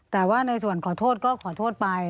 แต่ว่าในส่วนขอโทษก็ขอโทษไป